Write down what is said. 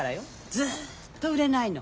ずっと売れないの。